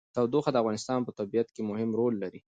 تودوخه د افغانستان په طبیعت کې مهم رول لري.